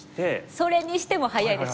それにしても早いですね。